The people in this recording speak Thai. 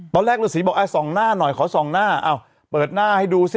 ฤษีบอกส่องหน้าหน่อยขอส่องหน้าเปิดหน้าให้ดูสิ